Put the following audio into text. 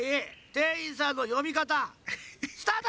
店員さんの呼びかたスタート！